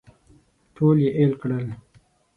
ټول یې اېل کړل.